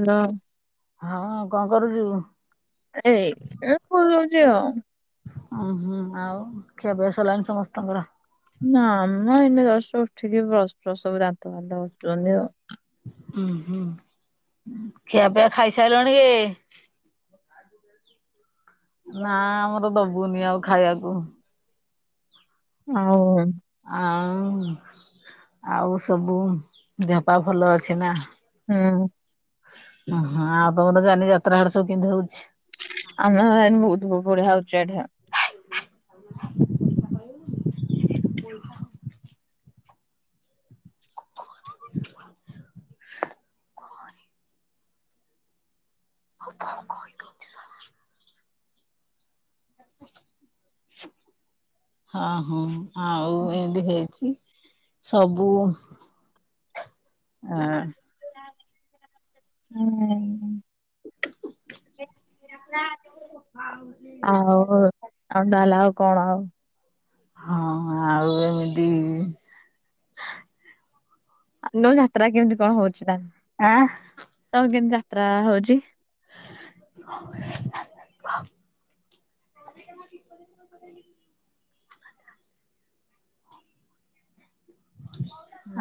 Hello ହଁ କଣ କରୁଚୁ? ଆରେ ମୁଁ ଖୋଇଦେଉଛି ଆଉ। ଆଉ ହୁଁ ଆଉ ଖିଆ ପିଆ ସରିଲାଣି ସମସ୍ତଙ୍କର? ନା ମ ଏଇନା ଜଷ୍ଟ ଉଠିକି ବ୍ରସ୍ ଫସ୍ ସବୁ ଦାନ୍ତ ଫାନ୍ତ ଘସୁଛନ୍ତି ଆଉ। ହୁଁ ହୁଁ ଖିଆ ପିଆ ଖାଇସାଇଲଣି କି। ନା ଆମର ଦବୁନି ଆଉ ଖାଇବାକୁ। ଆଉ। ଆଉ ଆଉ ସବୁ ଝାପା ଭଲ ଅଛି ନା। ହୁଁ। ଓହୋ ଆଉ ତମର ଜାନି ଯାତ୍ରା ହାଡେ ସବୁ କେମିତି ହୋଉଛି? ଆମେ ବହୁତ ବଢିଆ ହୋଉଛି ଏଠି। [inaudible] [inaudible] [unintelligible] ହଁ ହଁ ଆଉ ଏମତି ହେଇଛି ସବୁ ଅଁ। ଆଉ [inaudible] ଆଉ ତାହେଲେ ଆଉ କଣ ଆଉ। ହଁ ଆଉ ଏମିତି। ଆଲୋ ଯାତ୍ରା କେମିତି କଣ ହଉଛି ତାହେଲେ। ଆଁ। ଡୁନ ଯାତ୍ରା ହଉଛି। [inaudible] [unintelligible]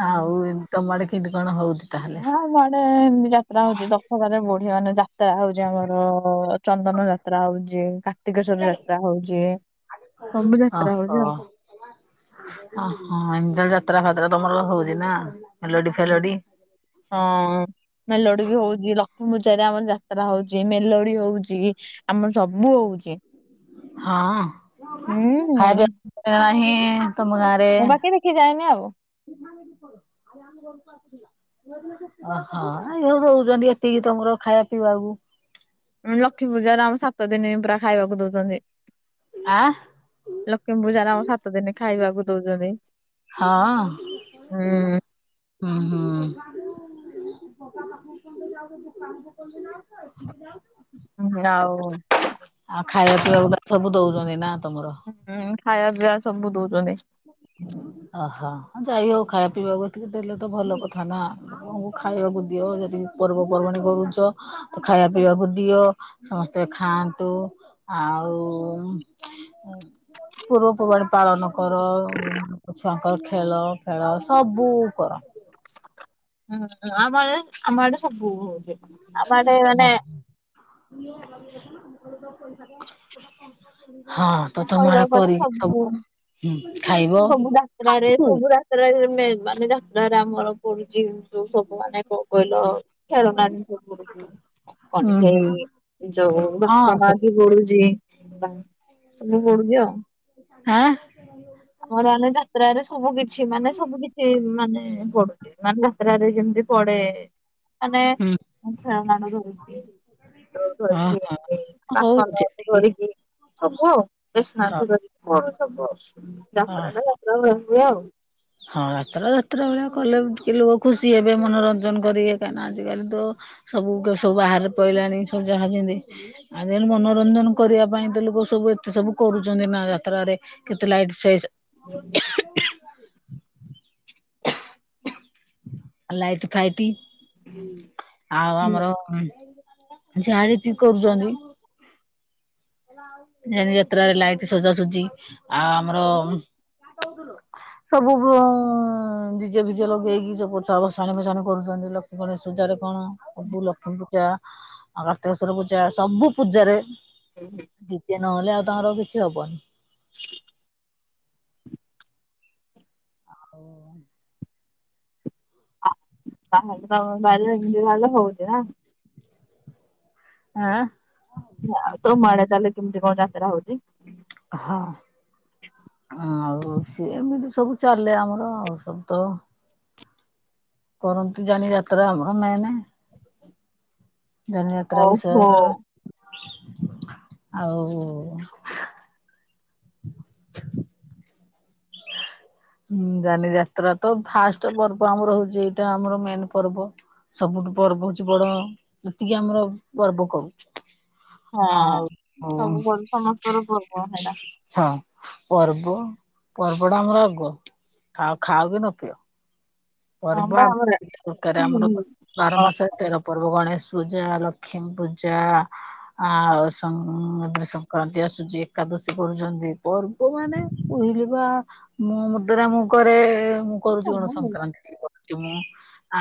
ଆଉ ଏମିତି ତମ ଆଡେ କେମିତି କଣ ହଉଚି? ନା ଆମ ଆଡେ ଏମତି ଯାତ୍ରା ହଉଛି ଦଶରାରେ ବଢିଆ ମାନେ ଯାତ୍ରା ହଉଛି ଆମର ଚନ୍ଦନ ଯାତ୍ରା ହଉଛି କାର୍ତ୍ତିକେଶ୍ଵର ଯାତ୍ରା ହଉଛି ସବୁ ଯାତ୍ରା ହଉଛି ଆଉ। ଓହୋ ଏମିତି ତାହେଲେ ଯାତ୍ରା ଫାତ୍ରା ତମର ହଉଛି ନା ମେଲୋଡି ଆଉ। ଫେଲଡି। ହଁ। ମେଲୋଡି ବି ହଉଛି ଲକ୍ଷ୍ମୀ ପୂଜାରେ ଆମର ଯାତ୍ରା ହଉଛି ମେଲୋଡି ହଉଛି। ଆମର ସବୁ ହଉଛି। ହଁ ଖାଇବା ହୁଁ। ପିଇବା ନାହିଁ ତମ ଗାଁରେ ମୁଁ ବାକି ଦେଖି ଯାଏନି ଆଉ। [unintelligible] ଅ ହଁ ଏ ସବୁ ଦଉଛନ୍ତି ଏତିକି ତମର ଖାଇବା ପିଇବାକୁ। ଲକ୍ଷ୍ମୀ ପୂଜାରେ ଆମ ସାତ ଦିନ ପୁରା ଖାଇବାକୁ ଦଉଛନ୍ତି। ଆଁ ଲକ୍ଷ୍ମୀ ପୂଜାର ଆମ ସାତ ଦିନ ଖାଇବାକୁ ଦଉଛନ୍ତି। ହଁ ହୁଁ ହୁଁ। [unintelligible] ହଁ ଆଉ ଆଉ ଖାଇବା ପିଇବାକୁ ତ ସବୁ ଦଉଛନ୍ତି ନା ତମର? ହୁଁ ଖାଇବା ପିଇବା ସବୁ ଦଉଛନ୍ତି। ଓହୋ ଯାଇ ହଉ ଖାଇବା ପିଇବାକୁ ଟିକେ ଦେଲେ ତ ଭଲ କଥା ନା। [unintelligible] ଖାଇବାକୁ ଦିଅ ଯଦି ପର୍ବପର୍ବାଣି କରୁଛ। ଖାଇବା ପିଇବାକୁ ଦିଅ ସମସ୍ତେ ଖାଆନ୍ତୁ। ଆଉ ପୂର୍ବପର୍ବାଣି ପାଳନ କର ଛୁଆଙ୍କର ଖେଳଫେଳ ସବୁ କର। ହମ ଆମ ଆଡ଼େ ଆମ ଆଡେ ସବୁ ହଉଛି। ଆମ ଆଡେ ମାନେ ହଁ। ହଁ। ତ ତମ ଆଡେ କହିବାକୁ ଗଲେ କରିକି ହୁଁ ସବୁ ସବୁ ଖାଇବ। [unintelligible] ବାଲିଯାତ୍ରାରେ ଆମର ପଡୁଛି। ଯଉ ସବୁ ମାନେ କଣ କହିଲ ଖେଳନା ଜିନିଷ ସବୁ ପଡୁଚି। କଣ ହୁଁ ଏଇ ଯୋଉ ବା ହଁ ସମାଧି ସେତିକି ବଡୁଛି। ବା ସବୁ ପଡୁଚି ଆଉ ଆଁ [unintelligible] ଯାତ୍ରରେ ସବୁ କିଛି ମାନେ ସବୁ କିଛି ମାନେ ପଡୁଛି। ମାନେ ଯାତ୍ରରେ ଯେମିତି ପଡେ ମାନେ ହୁଁ ମୁଁ ଖେଳନାଟା ହଁ ହଁ ହଉ [unintelligible] [unintelligible] ଯେତିକି ଧରିକି ସବୁ ଆଉ ହଁ ଟେସନାରୀ ଠୁ [unintelligible] ଯାତ୍ରାଟା ଯାତ୍ରା ହୁଏ ଆଉ। ହ ହଁ ଯାତ୍ରା ଯାତ୍ରା ଭଳିଆ କଲେ କିଲୋ ଖୁସି ହେବେ ମନୋରଞ୍ଜନ କରିବେ କାହିଁକିନା ଆଜିକାଲି ତ ସବୁକ ସବୁ ବାହାରେ ପଡିଲାଣି ସବୁ ଯାହା ଯେତି ଆଜିକାଲି ମନୋରଞ୍ଜନ କରିବା ପାଇଁ ତ ଲୋକ ସବୁ ଏତେ ସବୁ କରୁଛନ୍ତି ନା ଯାତ୍ରାରେ କେତେ ଲାଇଟ୍ ସେଇସ ହୁଁ ଲାଇଟି ଫାଇଟି ଆଉ ଆମର ଯାଣିକି କରୁଛନ୍ତି। ଯେମିତି ଯାତ୍ରାରେ ଲାଇଟ ସଜାସଜି ଆଉ ଆମର ସବୁ ଡ଼ି ଜେ ଭିଜେ ଲଗେଇକି [unintelligible] ଭସାଣି ଫସାଣି କରୁଛନ୍ତି ଲୋକ ଗଣେଷ ପୂଜାରେ କଣ ପ୍ରଭୁ ଲକ୍ଷ୍ମୀ ପୂଜା ଆଉ କାର୍ତ୍ତିକେଶ୍ୱର ପୂଜା ସବୁ ପୂଜାରେ। ହୁଁ ହୁଁ। ଦିତେ ନହେଲେ ଆଉ ତାଙ୍କର କିଛି ହବନି। ଆଉ ତାହେଲେ ବାୟୋଲୋଜି [unintelligible] ନା। ଆଁ? ଆଉ ତାହେଲେ ତମ ଆଡ଼େ ତାହେଲେ କେମିତି କଣ ଯାତ୍ରା ହଉଛି? ହଁ। ଆଉ ସ ଏମିତି ସବୁ ଚାଲେ ଆମର ଆଉ ସବୁ ତ କରନ୍ତିୁ ଜାଣିି ଯାତ୍ରା ଆମର ନାଇଁ ନାଇଁ ଧନୁ ଯାତ୍ରା ଓହୋ ବିଷୟରେ ଆଉ ଯାନି ଯାତ୍ରା ତ ଫାଷ୍ଟ ପର୍ବ ଆମର ହଉଛି ଏଇଟା ଆମର ମେନ ପର୍ବ ସବୁଠୁ ପର୍ବ ହଉଛି ବଡ ଯେତିକି ଆମର ପର୍ବ କହୁ ହଁ ସବୁ ସମସ୍ତର ପର୍ବ ହେଲା ହଁ ପର୍ବ ପର୍ବଟା ଆମର ଆଗ ଆ ଖାଅ କି ନ ପିଅ। ହଁ ପର୍ବ ବା ଆମର [unintelligible] ଆମର ବାର ମାସରେ ତେର ପର୍ବ ଗଣେଶ ପୂଜା, ଲକ୍ଷ୍ମୀ ପୂଜା ଆଉଥିରେ ସଂକ୍ରାନ୍ତି ଆସୁଛି। ଏକାଦଶୀ କରୁଛନ୍ତି? ଲୋକମାନେ କହିଲେ ବା [unintelligible] ମୁଁ କରେ ମୁଁ କରୁଛି ଗଣ ସଂକ୍ରାନ୍ତି କରୁଛି ମୁଁ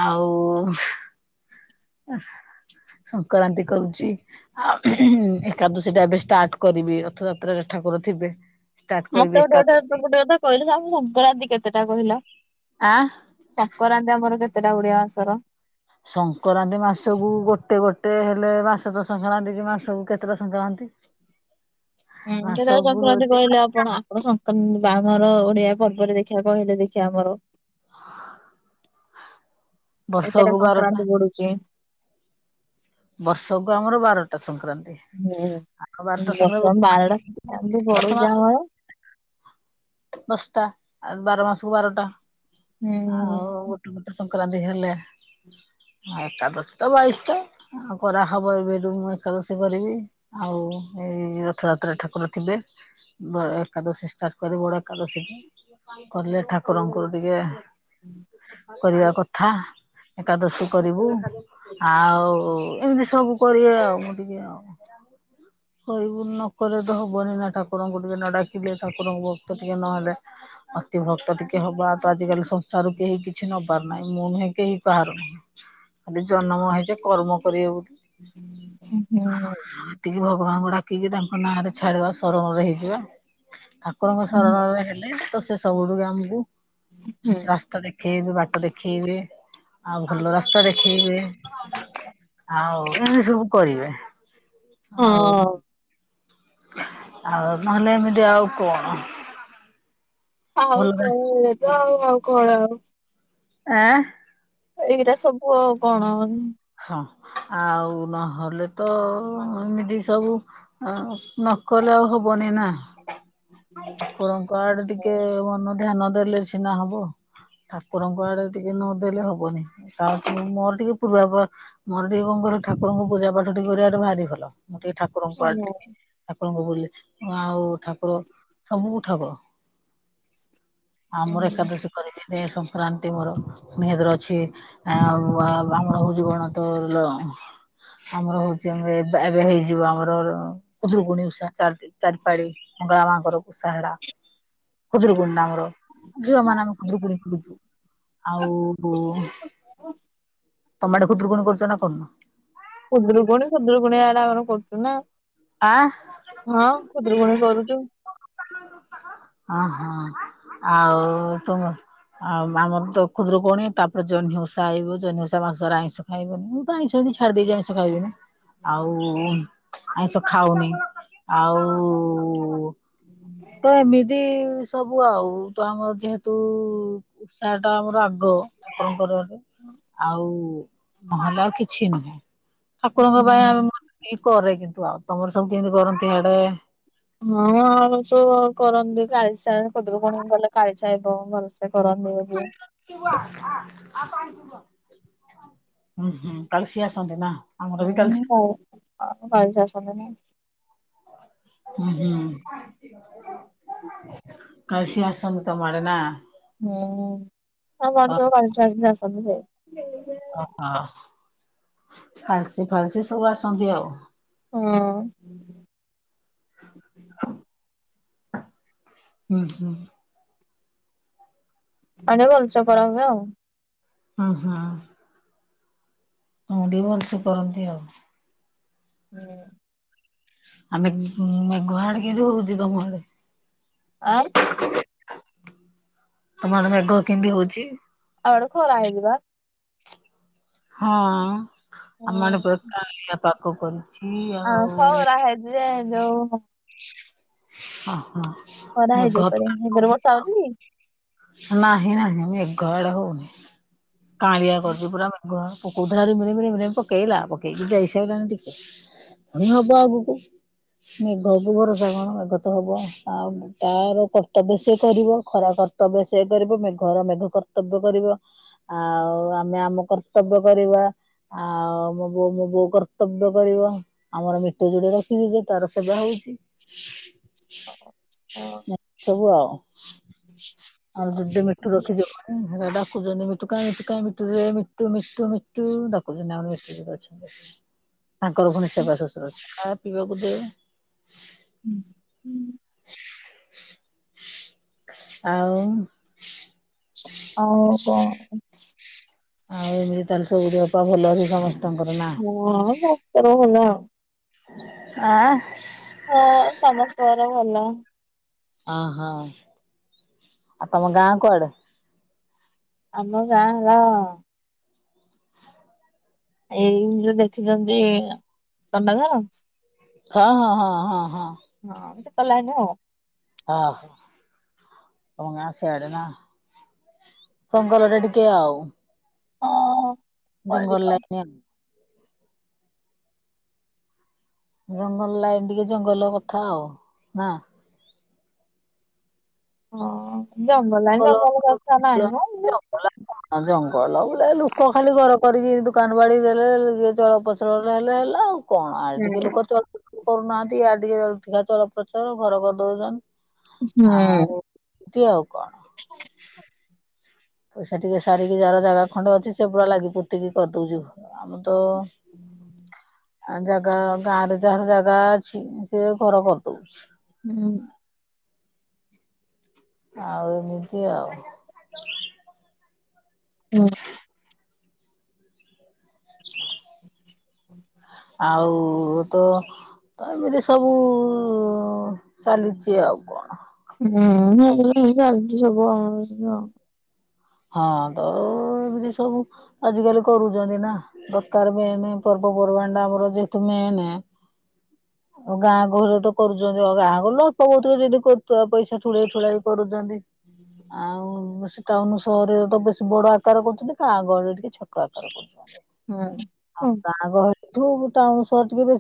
ଆଉ ସଂକ୍ରାନ୍ତି କରୁଛି। ଆ ଏକାଦଶୀ ଟା ଏବେ ଷ୍ଟାର୍ଟ କରିବି ରଥଯାତ୍ରାରେ ଠାକୁର ଥିବେ ଷ୍ଟାର୍ଟ କରିବି ମତେ ଗୋଟେ ଏକାଦଶୀ ଗୋଟେ ଗୋଟେ କଥା କହିଲ ସଂକ୍ରାନ୍ତି କେତେଟା କହିଲ? ଆଁ ସଂକରାନ୍ତି ଆମର କେତେଟା ଓଡିଆ ମାସର? ସଂକ୍ରାନ୍ତି ମାସକୁ ଗୋଟେ ଗୋଟେ ହେଲେ ମାସ ତ ସଂକ୍ରାନ୍ତି କି ମାସକୁ କେତେଟା ସଂକ୍ରାନ୍ତି? ଁ ହୁଁ [unintelligible] ସଂକ୍ରାନ୍ତି କହିଲେ ଆପଣ ଶକ୍ରାନ୍ତି ବା ଆମର ଓଡିଆ ପର୍ବରେ ଦେଖିବା କହିଲେ ଦେଖିବା ଆମର ଏତେଟା ବର୍ଷକୁ ବାରଟା ସଂକ୍ରାନ୍ତି ବଡୁଛି ବର୍ଷକୁ ଆମର ବାରଟା ସଂକ୍ରାନ୍ତି। ଆଉ ହୁଁ ବାରଟା ବର୍ଷ ସାଙ୍ଗ ଗୋଟେ ବାରଟା ସଂକ୍ରାନ୍ତି ମା ପଡୁଛି ମାସ ଆମର। ଦଶଟା ବାର ମାସକୁ ବାରଟା ହୁଁ। ଆଉ ସଂକ୍ରାନ୍ତି ହେଲେ ଏଟା ଦଶଟା ବାଇଶ ଟା ଆଉ କରାହବ ଏବେଠୁ ମୁ ଏକାଦଶୀ କରିବି। ଆଉ ଏଇ ରଥଯାତ୍ରାରେ ଠାକୁର ଥିବେ ଏକାଦଶୀ ଷ୍ଟାର୍ଟ କରି ବଡ ଏକାଦଶୀ କଲେ ଠାକୁରଙ୍କର ଟିକେ କରିବା କଥା ଏକାଦଶୀ କରିବୁ। ଆଉ ଏମିତି ସବୁ କରିବେ ଆଉ ମୁଁ ଟିକେ ଆଉ। କହିବୁ ନକଲେ ତ ହବନି ନା ଠାକୁରଙ୍କୁ ଟିକେ ନ ଡାକିଲେ ଠାକୁରଙ୍କୁ ସେତିକି ନହେଲେ ଅତିଭକ୍ତ ଟିକେ ହବା ତ ଆଜିକାଲି ସଂସାରରୁ କେହି କିଛି ନ ପାରୁନାହିଁ ମୁଁ ନୁହେଁ କେହି କାହାର। ଆମେ ଜନ୍ମ ହେଇଚେ କର୍ମ କରିବା ବୋଲି। ହୁଁ। ଆଉ ଏତିକି ଭଗବାନଙ୍କୁ ଡାକିକି ତାଙ୍କ ନାଁ ରେ ଛାଡିବା ଶରଣରେ ହେଇଯିବା। ଠାକୁରଙ୍କ ହୁଁ ଶରଣରେ ହେଲେ ତ ସେ ସବୁୁଆଡୁକୁ ଆମକୁ ହୁଁ। ରାସ୍ତା ଦେଖ ଏବେ ବାଟ ଦେଖେଇବବେ ଆଉ ଭଲ ରାସ୍ତା ଦେଖେଇବେ। ଆଉ ଏମିତି ସବୁ କରିବେ ଆଉ। ହଁ ଆଉ ନହେଲେ ଏମିତି ଆଉ କଣ। ଆଉ ଭଲ କଣ ରାସ୍ ଏଇ ତ ଆଉ ଆଉ କଣ ଆଉ। ଆଁ? ଏଇଟା ସବୁ ଆଉ କଣ। ହଁ ଆଉ ନହେଲେ ତ ଏମିତି ସବୁ। ଆହୋ ନକଲେ ଆଉ ହବନି ନା। ଆଇଛି। ଠାକୁରଙ୍କ ଆଡେ ଟିକେ ମନ ଧ୍ୟାନ ଦେଲେ ସିନା ହବ। ଠାକୁରଙ୍କ ଆଡେ ଟିକେ ନଦେଲେ ହବନି ମୋର ଟିକେ ପୁରା ପୁରା ମୋର ଟିକେ କଣ କହିଲ ଠାକୁରଙ୍କୁ ପୂଜା ପାଠ ଟିକେ କରିବାର ଭାରି ଭଲ ମୁଁ ଟିକେ ଠା ଠାକୁରଙ୍କ ଆଡେ ମାନେ ଟିକେ ଠାକୁରଙ୍କୁ ବୁଲି ଆଉ ଠାକୁର ସବୁ ଠାକୁର ଆମର ଏକାଦଶୀ କରିକିଦେ ସଂକ୍ରାନ୍ତି ମୋର ପୁଣି ହେତରେ ଅଛି। ଆଉ ଅ [unintelligible] ଆମର ହଉଛି ଆମର ଏବେ ଏବେ ହେଇଯିବ ଆମର ଖୁଦୁରୁକୁଣୀ ଓଷା ଚାରିପାଳି ମଙ୍ଗଳା ମାଙ୍କର ଓଷା ହେଡା। ଖୁଦୁରୁକୁଣୀ ନା ଆମର ଝିଅମାନଙ୍କ ଆମେ ଖୁଦୁରୁକୁଣୀ କରୁଛୁ। ଆଉ ତମ ଆଡେ ଖୁଦୁରୁକୁଣୀ କରୁଛ ନା କରୁନ? ଖୁଦୁରୁକୁୁଣି-ଖୁଦୁରୁକୁଣୀ ଇଆଡେ ଆମର କରୁଚୁ ନା। ଆଁ? ହଁ ଖୁଦୁରୁକୁଣୀ କରୁଛୁ। ଆଁ ହଁ ଆଉ ତୁମ ଆଉ ଆମର ତ ଖୁଦୁରୁକୁଣୀ ତାପରେ ଜହ୍ନିଓଷା ଆଇିବ ଜହ୍ନୀ ଓଷା ମାସ ମାସରେ ଆଇଁଷ ଆଇବ ମୁଁ ତ ଆଇଁଷି ହେମିନ୍ତି ଛାଡ଼ି ଦେଇଛି ଆଇଁଷ ଖାଇବିନି। ଆଉ ଆଇଁଷ ଖାଉନି ଆଉ ପ୍ରାଏମିତି ଏଇ ସବୁ ଆଉ ତ ଆମର ଯେହେତୁ ଓଷାଟା ଆମର ଆଉ। ଗ ଠାକୁରଙ୍କର ଆଉ ନହେଲେ ଆଉ କିଛି ନୁହେଁ। ଠାକୁରଙ୍କ ପାଇଁ ଆମେ ଏ କରେ କିନ୍ତୁ ଆଉ ତମର ସବୁ କେମିତି କରନ୍ତି ହାଡେ? ହଁ ଆଉ ସବୁ କରନ୍ତି କାଳିସା ଖୂଦୁରୁକୁଣୀ ଗଲେ କାଳିସା ହେବ ଭଲସେ କରନ୍ତି ଏ ହୁଁ ହୁଁ କାଳସି ଆସନ୍ତି ନା? ଆମର ବି କାଲି ହୁଁ କାଳୀସି ଆସନ୍ତିନି। ହଁ ହୁଁ କାଳିସୀ ଆସନ୍ତି ତମ ଆଡେ ନା? ହୁଁ ଆମ ଆଡେ ତ କାଳିସୀ ଫଳିଶି ଆସନ୍ତି ଯେ। ନେଇଯା। ଓହୋ କାଲିସି ଫାଲିସି ସବୁ ଆସନ୍ତି ଆଉ। ଉଁ। ଉଁ ହୁଁ। ଆନିବଲ ଭଲସେ କରନ୍ତି ଆଉ। ଉଁ ହୁଁ। ମୁଟିକେ ଭଲସେ କରନ୍ତି ଆଉ। ହୁଁ। ଆମେ ମେଘ ଆଡେ କିମିନ୍ତି ହଉଛିି ତମଆଡେ? ଆ ତମଆଡେ ମେଘ କେମିତି ହଉଛି? ଆଡେ ଖୋରା ହେଇଚିବା। ହଁ ବା। ଆମଡେ ପୁରା କାଉଁଳିଆ ପାଗ କରିଚି। ଆଉ ଖରା ହେଇଚି ଯେ ଯୋଉ ହଁ ହଁ। ଖରା ହେଇଯାଇ ମେଘ ତ ପାରେ ହେ ଯୋରେ ବର୍ଷା ହଉଛି କି? ନାହିଁ ନାହିଁ ମେଘ ଏଆଡେ ହଉନି କାଆଳିଆ କରିଛି ପରା ଗୁହାଳ ପକୋଉ ଥିଲା ମିଳିମିଳି ପକେଇଲା ପକେଇକି ଯାଇଇସାରିଲାଣି ଟିକେ ପୁଣି ହବ ଆଗକୁ। ମେଘବୁ ଭରସା କଣ ମେଘ ତ ହବ ଆଉ ତାର କର୍ତ୍ତବ୍ୟ ସିଏ କରିବ ଖରାକ୍ କର୍ତ୍ତବ୍ୟ ସେ କରିବ ମେ ଘର ମେଘ କର୍ତ୍ତବ୍ୟ କରିବ। ଆଉ ଆମେ ଆମ କର୍ତ୍ତବ୍ୟ କରିବା। ଆଉ ମୋ ବୋଉ ମୋ ବୋଉ କର୍ତ୍ତବ୍ୟ କରିବ। ଆମର ମିଟୁ ଯୋଡିଏ ରଖିଚୁ ଯେ ତାର ସେବା ହଉଛି। ସବୁ ଆଉ ଆମେ ଜୁଡେ ମିଟୁ ରଖିଚୁ ଘରେ। ଡାକୁଚନ୍ତି ମିଟୁ କାଇଁ ମିଟୁ କାଇଁ ମିଟୁରେ ମିଟୁ ମିଟୁ ମିଟୁ ଡାକୁଛନ୍ତି ଆ ମିଟିରେ ଅଛନ୍ତି। ତାଙ୍କର ପୁଣି ସେବା ଶୁଶୁରା ଅଛି ଖାଆ ପିଇବାକୁ ଦେ। ହୁଁ ଉଁ। ଆଉ ଆଉ କଣ? ଆଉ ଏମିତି ତାହେଲେ ସବୁ ଦେହ ପା ଭଲ ଅଛି ସମସ୍ତଙ୍କର ନା। ହଁ ସମସ୍ତଙ୍କର ଭଲ। ଆଁ। ହଁ ସମସ୍ତଙ୍କର ଭଲ। ଅ ହ ଆଉ ତମ ଗାଁ କୁଆଡେ? ଆମ ଗାଁ ହେଲା ଏଇ ଯୋଉ ଦେଖିଛନ୍ତି କଣ୍ଡାଧାର? ହଁ ହଁ ହଁ ହଁ ହଁ। ହଁ ସେ କଲାନି ଆଉ। ଓ ହ ତମ ଗାଁ ସେଇଡ ନା। ଜଙ୍ଗଲଟା ଟିକେ ଆଉ। ଆଁ। ଜଙ୍ଗଲ ଲ [unintelligible] ଜଙ୍ଗଲ ଲାଇନ ଟିକେ ଜଙ୍ଗଲ କଥା ଆଉ ନା? ହଁ ଜଙ୍ଗଲ ଜଙ୍ଗଲ କଥା ନାହି ମ [unintelligible] ହ ଜଙ୍ଗଲ ବୋ ଲୋକ ଖାଲି ଘର କରିକି ଦୋକାନ ବାଡି ଦେଲେ ଜଳପଚଳରେ ହେଲେ ହେଲା ଆଉ। କଣ ଆ ଟିକେ ଏମିତି ଲୋକ ଚଳପ୍ରଚାର କରୁନାହାନ୍ତି ଆ ଟିକେଧିକା ଚଳପ୍ରଚାର ଘର କରିଦଉଛନ୍ତି। ହୁଁ। ଆଉ ଏମିତି ଆଉ କଣ? ପଇସା ଟିକେ ସାରିକି ଯାହାର ଜାଗା ଖଣ୍ଡେ ଅଛି ସେ ପୁରା ଲାଗି ପୁତିକି କରିଦଉଛି ଘ ଆମ ତ ଆ ଜାଗା ଗାଁ ରେ ଯାହାର ଜାଗା ଅଛି ସେ ଘର କରିଦଉଛି। ହୁଁ। ଆଉ ଏମିତି ଆଉ। ହୁଁ। [inaudible] [inaudible] ଆଉ ତ ତ ଏମିତି ସବୁ ଚାଲିଛି ଆଉ କଣ। ହୁଁ ଚାଲିଚି ସବୁ ଆମର ଆଉ ଏୟା। ହଁ ତ ଏମିତି ସବୁ ଆଜିକାଲି କରୁଛନ୍ତି ନା। ଦରକାର ମେନ୍ ପର୍ବପର୍ବାଣି ଟା ଆମର ଯେହେତୁ ମେନ୍ ଆଉ ଗାଁ ଗହରେ ତ କରୁଛନ୍ତି ଆଉ ଗାଁ ଗଲ ଅଳ୍ପ ବହୁତେ ଯଦି କରୁଥିବେ ପଇସା ଠୁଳେଇ ଠୁଲେଇ କରୁଛନ୍ତି ଆଉ [unintelligible] ଶରରେ ତ ବେଶୀ ବଡ ଆକାର କରୁଛନ୍ତି ଗାଁ ଗହଳି ରେ ଟିକେ ଛୋଟ ଆକାର କରୁଛନ୍ତି। ହୁଁ। ଆଉ ଗାଁ ଗହଳିଠୁ ଟାଉନ ସହ ଟିକେ ବେଶ